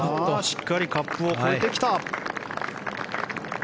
しっかりカップを越えてきた。